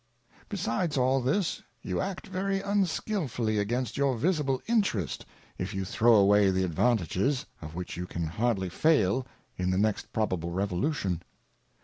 Besides all this, y ou Act very unskilfully against your visibla.^ — 1/ Interest, if you throw away the Advantages, of which you caji, '''.'^ hardly fail ' in the next probable Revoiution.